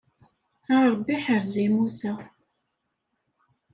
A Ṛebbi ḥerz-i Musa.